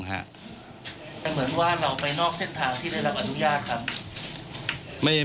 แต่เหมือนว่าเราไปนอกเส้นทางที่ได้รับอนุญาตครับ